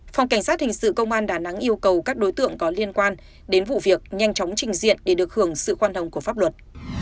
phòng cảnh sát hình sự công an đà nẵng yêu cầu các đối tượng có liên quan đến vụ việc nhanh chóng trình diện để được hưởng sự khoan hồng của pháp luật